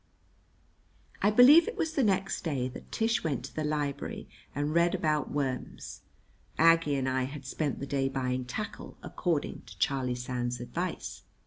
I believe it was the next day that Tish went to the library and read about worms. Aggie and I had spent the day buying tackle, according to Charlie Sands's advice.